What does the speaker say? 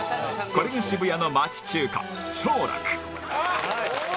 これが渋谷の町中華兆楽